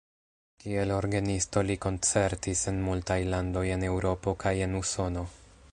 Kiel orgenisto li koncertis en multaj landoj en Eŭropo kaj en Usono.